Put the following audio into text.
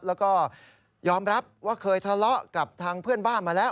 แล้วก็ยอมรับว่าเคยทะเลาะกับทางเพื่อนบ้านมาแล้ว